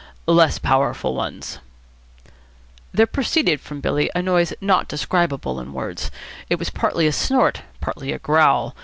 "Less powerful ones." There proceeded from Billy a noise not describable in words. It was partly a snort, partly a growl.